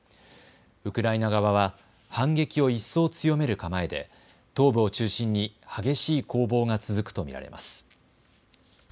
ウクライナ側は反撃を一層強める構えで東部を中心に激しい攻防が続くと見られます。